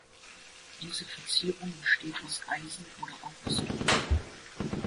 Diese Verzierung besteht aus Eisen oder auch aus Ton.